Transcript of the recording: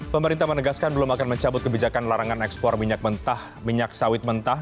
pemerintah menegaskan belum akan mencabut kebijakan larangan ekspor minyak mentah minyak sawit mentah